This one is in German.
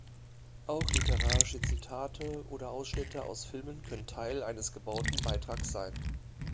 Auch literarische Zitate oder Ausschnitte aus Filmen können Teil eines gebauten Beitrags sein.